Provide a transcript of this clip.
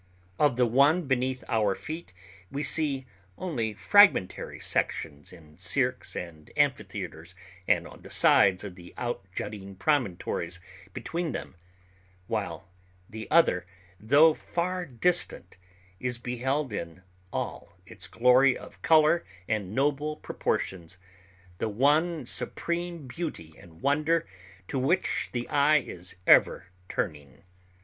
Of the one beneath our feet we see only fragmentary sections in cirques and amphitheaters and on the sides of the out jutting promontories between them, while the other, though far distant, is beheld in all its glory of color and noble proportions—the one supreme beauty and wonder to which the eye is ever turning.